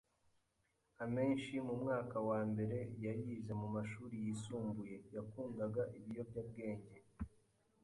Amenshi mu mwaka wa mbere yayize mumashuri yisumbuye yakundaga ibiyobyabwenge.